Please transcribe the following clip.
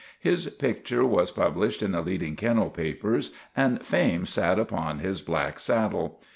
His picture was pub lished in the leading kennel papers and fame sat upon his black saddle.